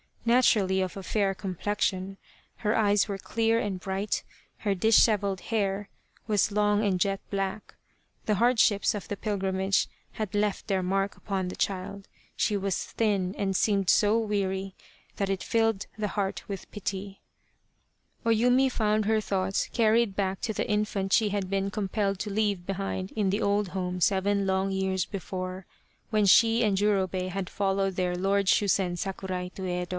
Naturally of a fair complexion, her eyes were clear and bright, her dishevelled hair was long and jet black. The hardships of the pilgrimage had left their mark upon the child, she was thin and seemed so weary, that it filled the heart with pity. O Yumi found her * Lit. Flower Capital = Kyoto. B I 7 The Quest of the Sword thoughts carried back to the infant she had been compelled to leave behind in the old home seven long years before, when she and Jurobei had followed their lord Shusen Sakurai to Yedo.